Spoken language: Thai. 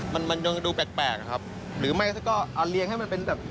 มันยังดูแปลกครับหรือไม่ก็เอาเรียงให้มันเป็นแบบ